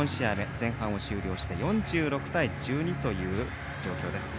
前半を終了して４６対１２という状況です。